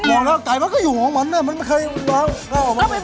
บอกแล้วไก่มันก็อยู่ของมันนะมันไม่เคยมาก